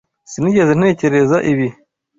Sinigeze ntekereza ibi.